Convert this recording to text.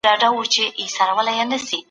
تاسو د مثبت ذهنیت سره په ژوند کي ډیر ارام یاست.